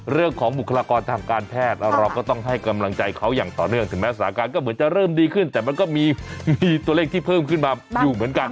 เรื่องของบุคลากรทางการแพทย์เราก็ต้องให้กำลังใจเขาอย่างต่อเนื่องถึงแม้สถานการณ์ก็เหมือนจะเริ่มดีขึ้นแต่มันก็มีตัวเลขที่เพิ่มขึ้นมาอยู่เหมือนกัน